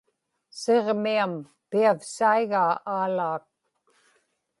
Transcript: Siġmiam piavsaigaa Aalaak